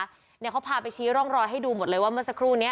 เนี่ยเขาพาไปชี้ร่องรอยให้ดูหมดเลยว่าเมื่อสักครู่นี้